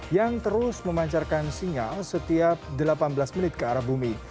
yang terus memancarkan singa setiap delapan belas menit ke arah bumi